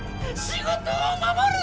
仕事を守る！